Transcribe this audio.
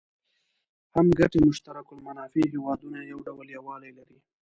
هم ګټي مشترک المنافع هېوادونه یو ډول یووالی لري.